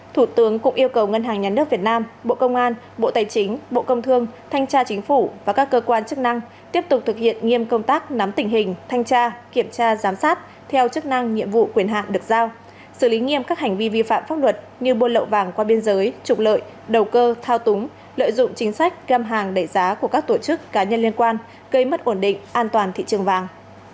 thủ tướng cũng yêu cầu ngân hàng nhà nước việt nam bộ công an bộ tài chính bộ công thương thanh tra chính phủ và các cơ quan chức năng tiếp tục thực hiện nghiêm công tác nắm tình hình thanh tra kiểm tra giám sát theo chức năng nhiệm vụ quyền hạng được giao xử lý nghiêm các hành vi vi phạm pháp luật như bôn lậu vàng qua biên giới trục lợi đầu cơ thao túng lợi dụng chính sách găm hàng đẩy giá của các tổ chức cá nhân liên quan gây mất ổn định an toàn thị trường vàng